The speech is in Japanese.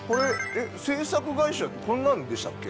制作会社ってこんなんでしたっけ？